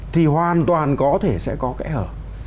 thì hoàn toàn có thể sẽ có kẻ ở